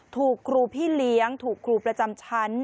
ถูกครูพี่เลี้ยงถูกครูประจำชั้น